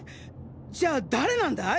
じゃあ誰なんだい！？